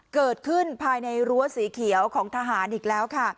เกิดขึ้นภายในรั้วสีเขียวของทหารอีกแล้วค่ะ